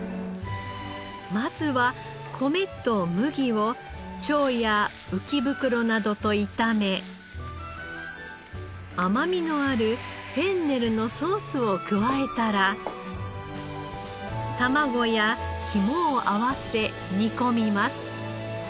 まずは米と麦を腸や浮袋などと炒め甘みのあるフェンネルのソースを加えたら卵や肝を合わせ煮込みます。